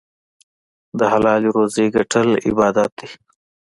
د حلالې روزۍ ګټل عبادت دی.